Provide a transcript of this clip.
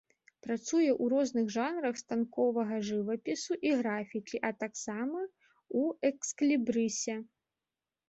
Працуе ў розных жанрах станковага жывапісу і графікі, а таксама ў экслібрысе.